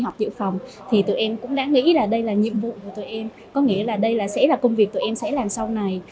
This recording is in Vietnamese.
có nghĩa là đây sẽ là công việc tụi em sẽ làm sau này